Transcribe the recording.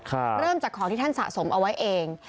เริ่มจากของที่ท่านสะสมเอาไว้เอง